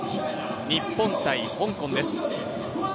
日本×香港です。